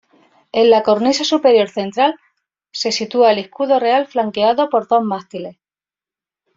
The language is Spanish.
En la cornisa superior central se sitúa el escudo real flanqueado por dos mástiles.